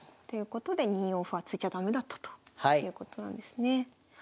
ということで２四歩は突いちゃ駄目だったということなんですね。